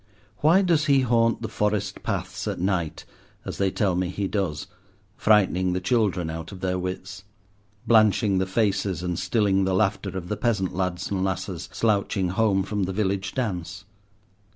Why does he haunt the forest paths at night, as they tell me he does, frightening the children out of their wits, blanching the faces and stilling the laughter of the peasant lads and lasses, slouching home from the village dance?